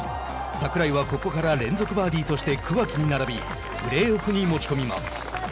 櫻井は、ここから連続バーディーとして桑木に並びプレーオフに持ち込みます。